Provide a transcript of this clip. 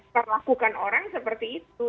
perlakukan orang seperti itu